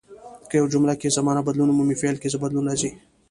که په یوه جمله کې زمانه بدلون ومومي فعل کې څه بدلون راځي.